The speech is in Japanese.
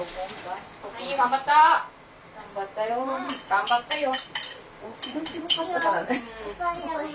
頑張ったよ。